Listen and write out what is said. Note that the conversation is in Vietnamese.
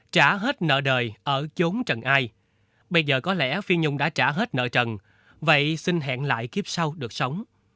trả hết nợ đời ở chốn trần ai bây giờ có lẽ phi nhung đã trả hết nợ trần vậy xin hẹn lại kiếp sau được sống